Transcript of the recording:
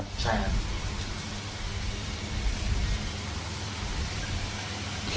ใช่ครับ